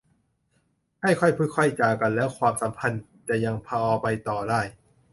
ให้ค่อยพูดค่อยจากันแล้วความสัมพันธ์จะยังพอไปต่อได้